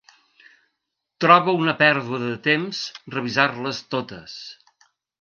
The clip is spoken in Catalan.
Troba una pèrdua de temps revisar-les totes.